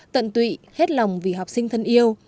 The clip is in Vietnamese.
tận tụy hết lòng vì học sinh thân yêu